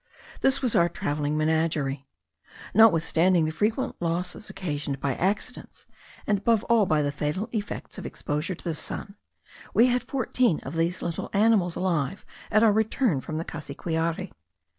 This was our travelling menagerie. Notwithstanding the frequent losses occasioned by accidents, and above all by the fatal effects of exposure to the sun, we had fourteen of these little animals alive at our return from the Cassiquiare.